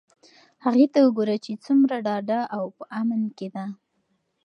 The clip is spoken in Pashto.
هغې ته وگوره چې څومره ډاډه او په امن کې ده.